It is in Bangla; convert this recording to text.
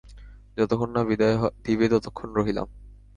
যতক্ষণ না বিদায় দিবে ততক্ষণ রহিলাম।